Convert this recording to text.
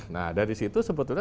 nah dari situ sebetulnya